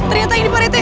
ternyata ini pak retik